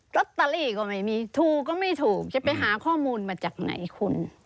ลอตเตอรี่ก็ไม่มีถูกก็ไม่ถูกจะไปหาข้อมูลมาจากไหนคุณ